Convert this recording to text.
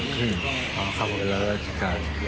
เวลาราชิการ